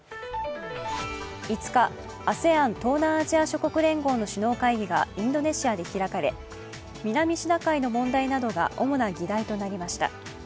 ５日、ＡＳＥＡＮ＝東南アジア諸国連合の首脳会議がインドネシアで開かれ、南シナ海の問題などが主な議題となりました。